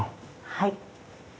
はい。